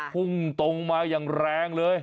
พุ่งตรงมาอย่างแรงเลย